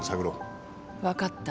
分かった。